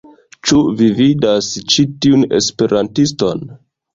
Ĉu vi vidas ĉi tiun esperantiston?